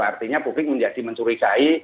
artinya publik menjadi mencurigai